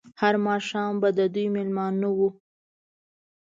هر ماښام به د دوی مېلمانه وو.